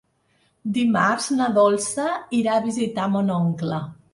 Dimarts na Dolça irà a visitar mon oncle.